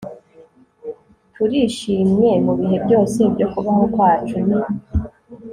turishimye mubihe byose byo kubaho kwacu n